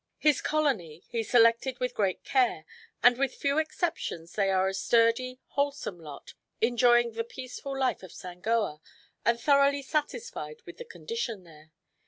His colony he selected with great care and with few exceptions they are a sturdy, wholesome lot, enjoying the peaceful life of Sangoa and thoroughly satisfied with their condition there.